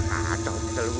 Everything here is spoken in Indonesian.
ah cowok terlalu dingin